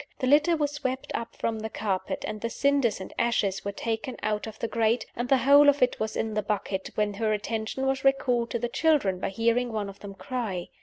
The litter was swept up from the carpet, and the cinders and ashes were taken out of the grate, and the whole of it was in the bucket, when her attention was recalled to the children by hearing one of them cry.